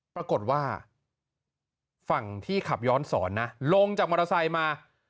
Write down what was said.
ปรากฏว่าฝั่งที่ขับย้อนสอนนะลงจากมอเตอร์ไซค์มา